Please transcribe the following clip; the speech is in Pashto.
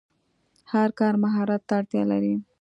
هر کار مهارت ته اړتیا لري.